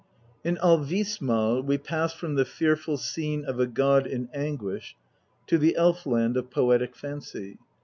In Alvissmal we pass from the fearful scene of a god in anguish to the elf land of poetic fancy.